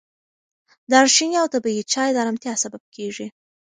دارچیني او طبیعي چای د ارامتیا سبب کېږي.